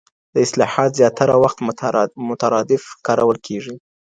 دا اصطلاحات زياتره وخت مترادف کارول کيږي.